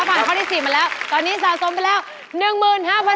ฟังข้อที่๔มาแล้วตอนนี้สะสมเป็นแล้ว